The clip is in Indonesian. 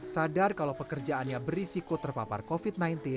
sadar kalau pekerjaannya berisiko terpapar covid sembilan belas